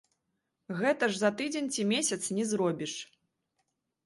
Гэта ж за тыдзень ці месяц не зробіш.